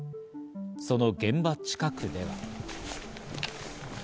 その現場近くでは。